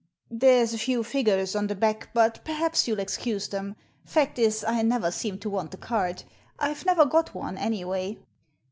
"There's a few figures on the back, but perhaps you'll excuse 'em. Fact is, I never seem to want a card. I've never got one, anyway."